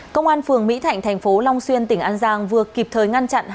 công an phường mỹ thạnh thành phố long xuyên tỉnh an giang vừa kịp thời ngăn chặn